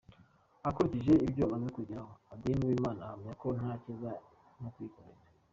Akurikije ibyo bamaze kugeraho, Adeline Uwimana ahamya ko nta cyiza nko kwikorera.